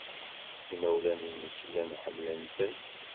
Imawlan-nnek llan ḥemmlen-ten.